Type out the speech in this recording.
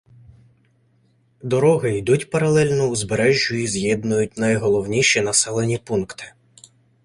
Дороги йдуть паралельно узбережжю і з'єднують найголовніші населені пункти.